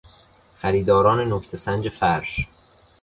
خریداران نکته سنج فرش